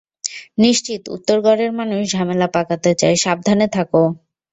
নিশ্চিত, উত্তরগড়ের মানুষ ঝামেলা পাকাতে চায়, সাবধানে থাকো।